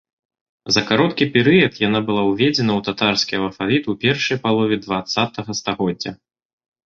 За кароткі перыяд яна была ўведзена ў татарскі алфавіт ў першай палове дваццатага стагоддзя.